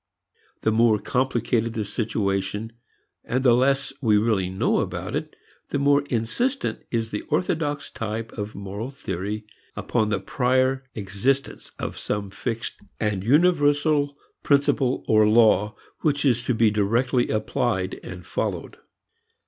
The more complicated the situation, and the less we really know about it, the more insistent is the orthodox type of moral theory upon the prior existence of some fixed and universal principle or law which is to be directly applied and followed.